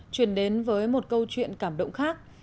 truyền đến với một câu chuyện cảm động khác